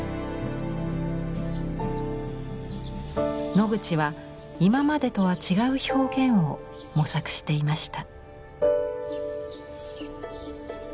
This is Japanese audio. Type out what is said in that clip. ノグチは今までとは違う表現を模索していました。